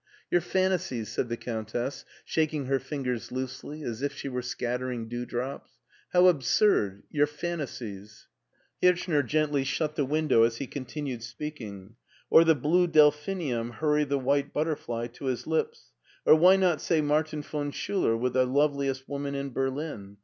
'* "Your fantasies/' said the Cotmtess, shaking her fingers loosely, as if she were scattering dewdrops; " how absurd ! your fantasies !" Hirchner gently shut the window as he continued speaking: "Or the blue delphinium hurry the white butterfly to his lips, or why not say Martin von Schuler with the loveliest woman in Berlin.